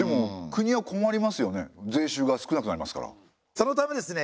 そのためですね